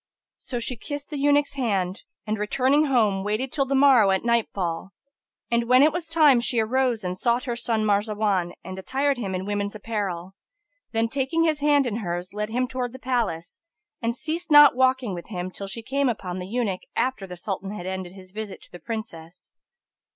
So she kissed the eunuch's hand and, returning home, waited till the morrow at nightfall; and when it was time she arose and sought her son Marzawan and attired him in woman's apparel; then, taking his hand in hers, led him towards the palace, and ceased not walking with him till she came upon the eunuch after the Sultan had ended his visit to the Princess.